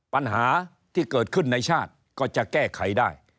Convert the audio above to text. ปัญหาที่เกิดขึ้นในชาติก็จะแก้ไขได้